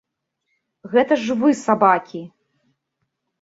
Гэта ж вы сабакі!